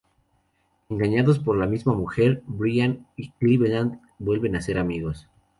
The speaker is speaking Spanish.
Engañados por la misma mujer, Brian y Cleveland vuelven a ser amigos.